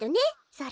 それ。